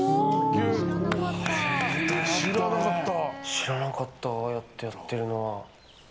知らなかったああやって、やってるの。